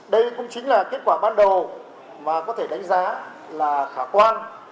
đây cũng chính là kết quả ban đầu mà có thể đánh giá là khả quan